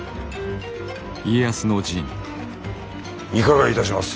いかがいたします？